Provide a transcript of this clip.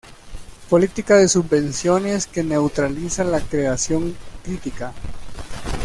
Política de subvenciones que neutraliza la creación crítica.